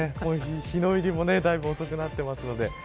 日の入りもだいぶ遅くなってますので。